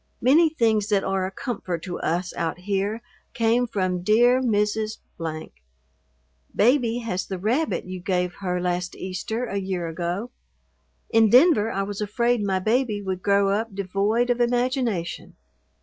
Many things that are a comfort to us out here came from dear Mrs. . Baby has the rabbit you gave her last Easter a year ago. In Denver I was afraid my baby would grow up devoid of imagination.